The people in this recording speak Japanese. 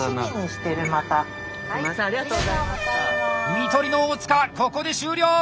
看取りの大塚ここで終了！